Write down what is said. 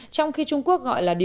trong khi trung quốc gọi là senkaku